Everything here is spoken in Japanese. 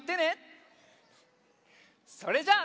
それじゃあ。